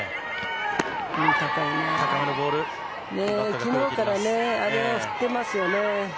昨日からあれを振ってますよね。